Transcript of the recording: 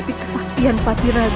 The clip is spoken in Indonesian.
jika kau menjadi olivier thanh